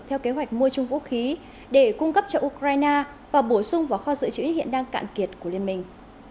theo kế hoạch mua chung vũ khí để cung cấp cho ukraine và bổ sung vào kho dự trữ hiện đang cạn kiệt của liên minh